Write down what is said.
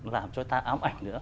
làm cho ta ám ảnh nữa